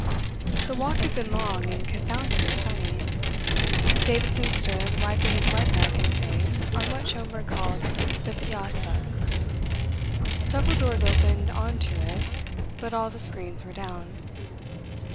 The walk had been long and confoundedly sunny. Davidson stood wiping his wet neck and face on what Schomberg called "the piazza." Several doors opened on to it, but all the screens were down.